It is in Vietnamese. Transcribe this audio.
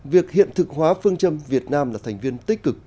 việc hiện thực hóa phương châm việt nam là thành viên tích cực